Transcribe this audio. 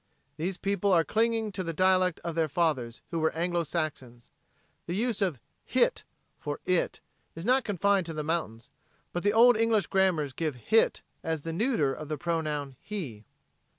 These people are clinging to the dialect of their fathers who were Anglo Saxons. The use of "hit" for "it" is not confined to the mountains, but the Old English grammars give "hit" as the neuter of the pronoun "he."